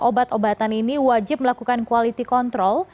obat obatan ini wajib melakukan quality control